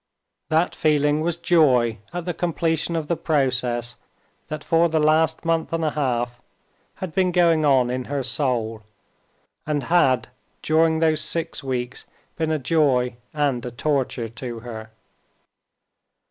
That feeling was joy at the completion of the process that for the last month and a half had been going on in her soul, and had during those six weeks been a joy and a torture to her.